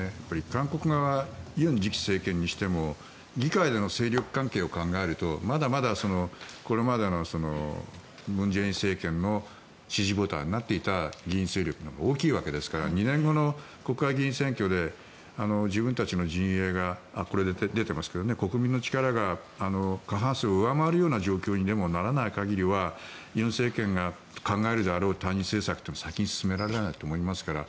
韓国側、尹次期政権にしても議会での勢力関係を考えるとまだまだこれまでの文在寅政権の支持母体になっていた議員勢力のほうが大きいわけですから２年後の国会議員選挙で自分たちの陣営が、国民の力が過半数を上回るような状況にでもならない限りは尹政権が考えるであろう対日政策というのは先に進められないと思いますから。